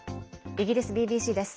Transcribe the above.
イギリスＢＢＣです。